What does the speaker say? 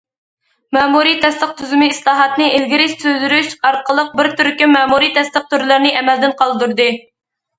مەمۇرىي تەستىق تۈزۈمى ئىسلاھاتىنى ئىلگىرى سۈرۈش ئارقىلىق، بىر تۈركۈم مەمۇرىي تەستىق تۈرلىرىنى ئەمەلدىن قالدۇردى.